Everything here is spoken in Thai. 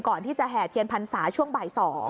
ก่อนที่จะแห่เทียนพรรษาช่วงบ่าย๒